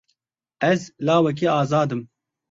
Ez lawekî azad im.